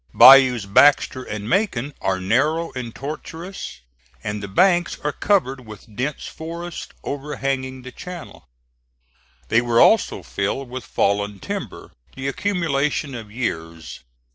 Bayous Baxter and Macon are narrow and tortuous, and the banks are covered with dense forests overhanging the channel. They were also filled with fallen timber, the accumulation of years.